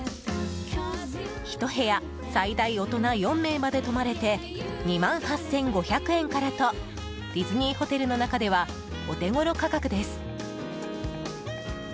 １部屋最大大人４名まで泊まれて２万８５００円からとディズニーホテルの中ではお手ごろ価格です。